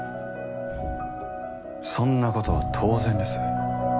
そんなことは当然です。